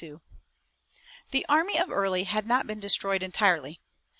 The army of Early had not been destroyed entirely.